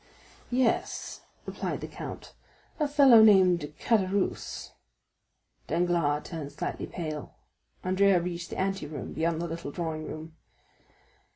50025m "Yes," replied the count; "a felon named Caderousse." Danglars turned slightly pale; Andrea reached the anteroom beyond the little drawing room.